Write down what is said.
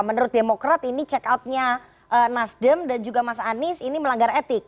menurut demokrat ini check out nya nasdem dan juga mas anies ini melanggar etik